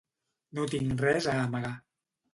No tinc res a amagar.